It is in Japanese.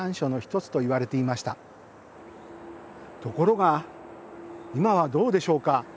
ところが今はどうでしょうか。